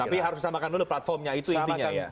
tapi harus disamakan dulu platformnya itu intinya